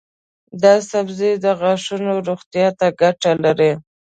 دا سبزی د غاښونو روغتیا ته ګټه لري.